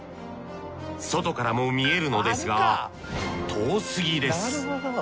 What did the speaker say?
外からも見えるのですが遠すぎです。